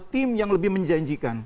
tim yang lebih menjanjikan